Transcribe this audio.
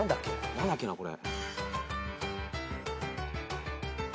何だっけなこれ。